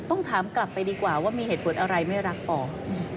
ต้องถามกลับไปดีกว่าว่ามีเหตุผลอะไรไม่รักออก